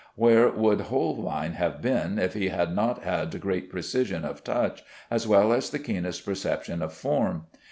Where would Holbein have been if he had not had great precision of touch as well as the keenest perception of form?